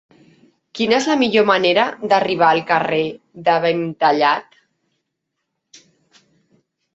Quina és la millor manera d'arribar al carrer de Verntallat?